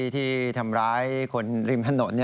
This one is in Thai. ที่ทำร้ายคนริมถนน